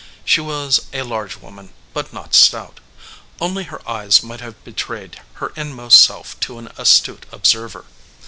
She was a large woman, but not stout. Only her eyes might have betrayed her inmost self to an astute observer.